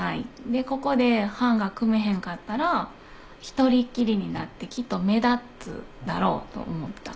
でここで班が組めへんかったら一人っきりになってきっと目立つだろうと思った。